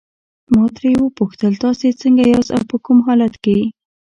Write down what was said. ما ترې وپوښتل تاسي څنګه یاست او په کوم حالت کې.